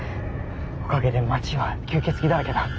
おかげで町は吸血鬼だらけだ。